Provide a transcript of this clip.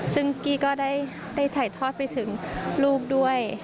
ซึ่งกี้ก็ได้ถ่ายทอดไปถึงลูกด้วย